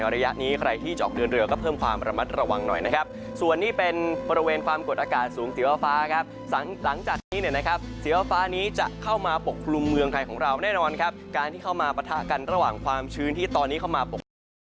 ระยะนี้ใครที่จะออกเดินเรือก็เพิ่มความระมัดระวังหน่อยนะครับส่วนนี้เป็นบริเวณความกดอากาศสูงสีฟ้าฟ้าครับหลังจากนี้เนี่ยนะครับสีฟ้านี้จะเข้ามาปกคลุมเมืองไทยของเราแน่นอนครับการที่เข้ามาปะทะกันระหว่างความชื้นที่ตอนนี้เข้ามาปกคลุม